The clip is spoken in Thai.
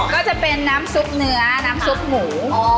ก็จะเป็นน้ำซุปเนื้อน้ำซุปหมู